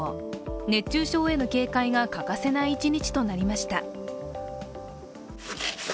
熱中症への警戒が欠かせない一日となりました。